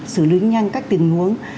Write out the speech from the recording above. xử lý nhanh các tình huống